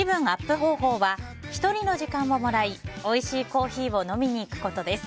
方法は１人の時間をもらいおいしいコーヒーを飲みに行くことです。